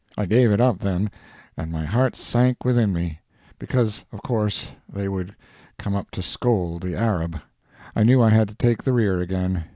I gave it up then, and my heart sank within me, because of course they would come up to scold the Arab. I knew I had to take the rear again.